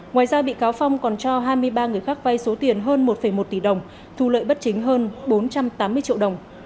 ngoài ra bị cáo phong còn cho hai mươi ba người khác vai số tiền hơn một một tỷ đồng thu lợi bất chính hơn bốn trăm tám mươi triệu đồng